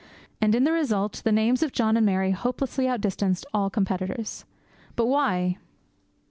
And in the result the names of John and Mary hopelessly outdistanced all competitors. But why?